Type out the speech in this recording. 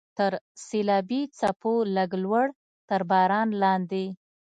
تر سیلابي څپو لږ لوړ، تر باران لاندې.